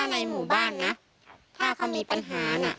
ในหมู่บ้านนะถ้าเขามีปัญหาน่ะ